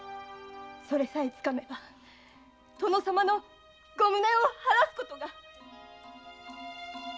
それさえつかめば殿様のご無念を晴らすことが。